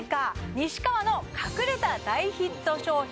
西川の隠れた大ヒット商品